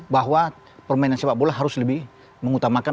bahwa permainan sepak bola harus lebih mengutamakan